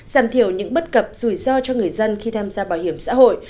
giảm thiểu những bất cập rủi ro cho người dân khi tham gia bảo hiểm xã hội